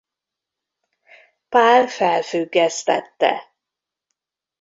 Pál felfüggesztette.